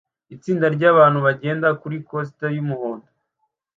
Itsinda ryabantu bagenda kuri coaster yumuhondo